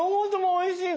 おいしい！